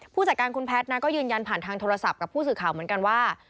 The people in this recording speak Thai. ผู้จัดการคุณแพทย์นะก็ยืนยันผ่านทางโทรศัพท์กับผู้สื่อข่าวเหมือนกันว่า